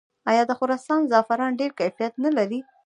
آیا د خراسان زعفران ډیر کیفیت نلري؟